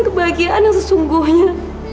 kebahagiaan yang sesungguhnya